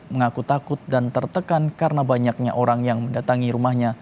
mengaku takut dan tertekan karena banyaknya orang yang mendatangi rumahnya